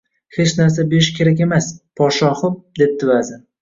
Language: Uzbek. Hech narsa berish kerak emas, podshohim, debdi vazir